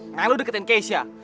nah lu deketin keisha